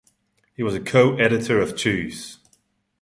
He was co-editor of Jews.